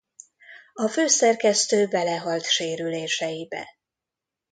A főszerkesztő belehalt sérüléseibe.